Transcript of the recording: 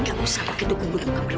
kamu jangan begitu gugup dukang dulu